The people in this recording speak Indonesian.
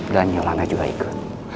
dan yolanda juga ikut